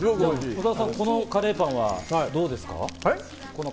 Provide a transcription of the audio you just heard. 小澤さん、このカレーパンはどうですか？